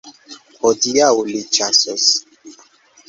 Hodiaŭ li ĉasos.